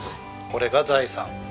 これが財産。